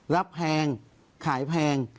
รับแพงขายแพง